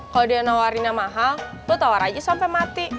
kalau dia nawarinya mahal lo tawar aja sampai mati